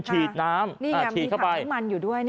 ฉีดน้ำนี่อยมีถังน้ำมันอยู่ด้วย